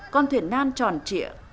con thuyền nan tròn trịa